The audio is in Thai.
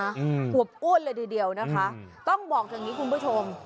อวบอ้วนเลยทีเดียวนะคะต้องบอกอย่างงี้คุณผู้ชม